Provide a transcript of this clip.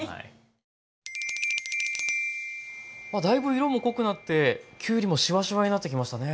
だいぶ色も濃くなってきゅうりもシワシワになってきましたね。